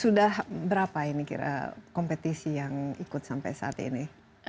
sudah berapa ini kira kompetisi yang ikut sampai saat ini